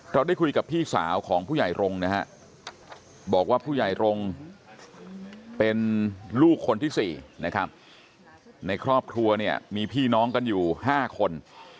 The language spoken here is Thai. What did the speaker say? เราได้คุยกับพี่สาวของผู้ใหญ่รงค์นะฮะบอกว่าผู้ใหญ่รงค์เป็นลูกคนที่๔นะครับในครอบครัวเนี่ยมีพี่น้องกันอยู่๕คน